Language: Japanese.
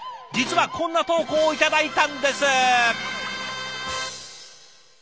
実はこんな投稿を頂いたんです。